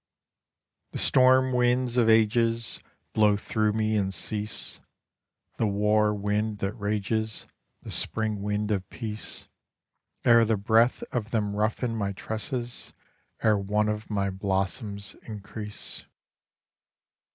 The storm winds of ages Blow through me and cease, The war wind that rages, The spring wind of peace, Ere the breath of them roughen my tresses, ere one of my blossoms increase.